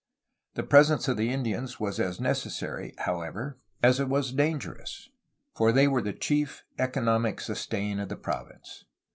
The presence of the Indians was as necessary, however, as it was dangerous, for they were the chief economic sustain of the province.